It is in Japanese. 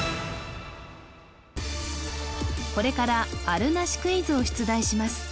これからあるなしクイズを出題します